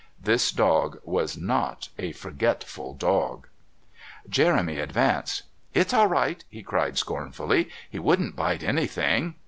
This dog was not a forgetful dog. Jeremy advanced. "It's all right," he cried scornfully. "He wouldn't bite anything."